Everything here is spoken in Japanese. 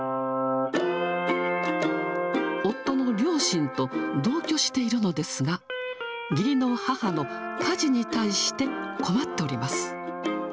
夫の両親と同居しているのですが、義理の母の家事に対して、困っております。